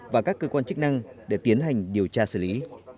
và các cơ quan chức năng để tiến hành điều tra xử lý